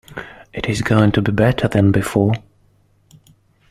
It is going to be better than before.